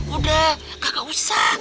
udah kagak usah